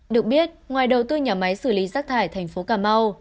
được biết ngoài đầu tư nhà máy xử lý rác thải thành phố cà mau